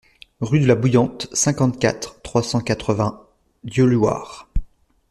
Rue de la Bouillante, cinquante-quatre, trois cent quatre-vingts Dieulouard